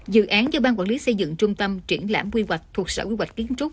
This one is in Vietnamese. dự án do ban quản lý xây dựng trung tâm triển lãm quy hoạch thuộc sở quy hoạch kiến trúc